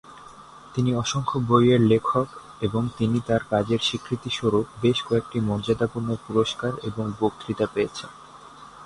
তিনি অসংখ্য বইয়ের লেখক এবং তিনি তার কাজের স্বীকৃতিস্বরূপ বেশ কয়েকটি মর্যাদাপূর্ণ পুরষ্কার এবং বক্তৃতা পেয়েছেন।